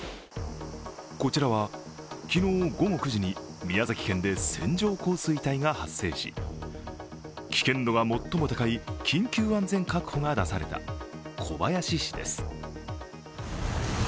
こちらは昨日午後９時に宮崎県で線状降水帯が発生し、危険度が最も高い緊急安全確保が出された小林市です。